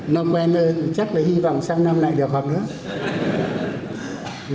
năm quen hơn chắc là hy vọng sang năm lại được họp nữa